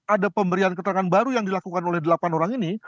ada pemberian keterangan baru yang dilakukan oleh delapan orang ini